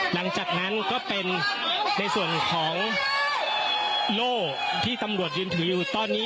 หลังจากนั้นก็เป็นในส่วนของโล่ที่ตำรวจยืนถืออยู่ตอนนี้